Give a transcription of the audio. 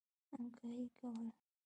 همکاري کوله.